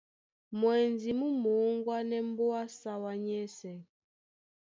Mwɛndi mú mōŋgwanɛɛ́ mbóa á sáwá nyɛ́sɛ̄.